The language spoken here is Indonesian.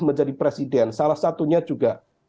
menjadi presiden salah satunya juga